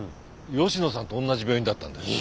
吉野さんとおんなじ病院だったんだよ。